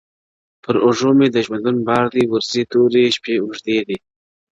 پر اوږو مي ژوندون بار دی ورځي توري، شپې اوږدې دي -